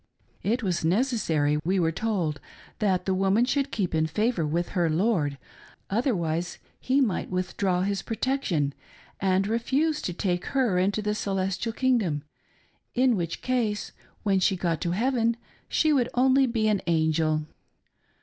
It was ne cessary, we were told, that the woman should keep in favor with her lord, otherwise he might withdraw his protection and refuse to take her into the celestial kingdom ; in which case when she got to heaven she would only be an angel